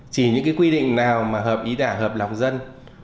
chỉ những cái quy định nào mà hợp ý đảng hợp lòng dân